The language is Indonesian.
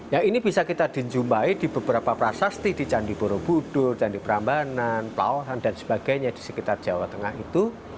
ya ini bisa kita dinjumpai di beberapa prasasti di candi borobudur candi prambanan pelawasan dan sebagainya di sekitar jawa tengah itu